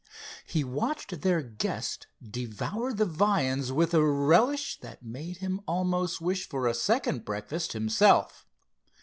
He watched their guest devour the viands with a relish that made him almost wish for a second breakfast himself.